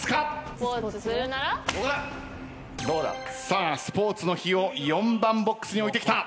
さあスポーツの日を４番ボックスに置いてきた。